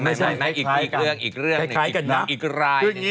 อีกเรื่องอีกราย